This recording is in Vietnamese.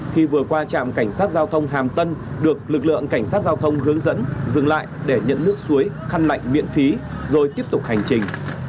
khi vừa qua trạm cảnh sát giao thông hàm tân được lực lượng cảnh sát giao thông hướng dẫn dừng lại để nhận nước suối khăn lạnh miễn phí rồi tiếp tục hành trình